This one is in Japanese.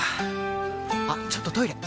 あっちょっとトイレ！